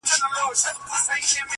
خپـله گرانـه مړه مي په وجود كي ده.